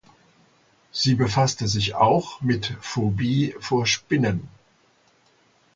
Sie befasste sich auch mit Phobie vor Spinnen.